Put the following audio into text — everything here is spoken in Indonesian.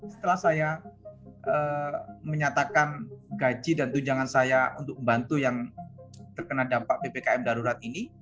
setelah saya menyatakan gaji dan tunjangan saya untuk membantu yang terkena dampak ppkm darurat ini